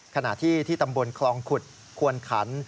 ขณะที่ที่ตำบลคลองขุดควนขัน